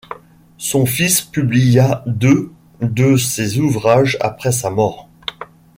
Son fils publia deux de ses ouvrages après sa mort.